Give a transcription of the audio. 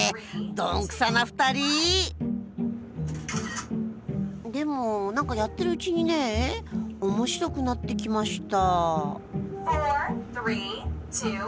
どんくさな２人でも何かやってるうちにね面白くなってきました